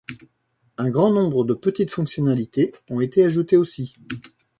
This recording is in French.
Un grand nombre de petites fonctionnalités ont été ajoutées aussi.